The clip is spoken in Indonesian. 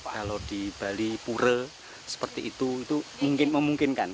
kalau di bali pura seperti itu itu mungkin memungkinkan